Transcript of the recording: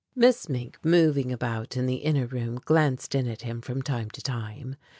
Miss Mink, moving about in the inner room, glanced in at him from time to time.